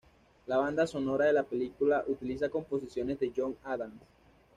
La banda sonora de la película utiliza composiciones de John Adams.